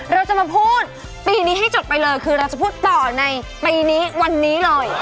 เราจะมาพูดปีนี้ให้จบไปเลยคือเราจะพูดต่อในปีนี้วันนี้เลย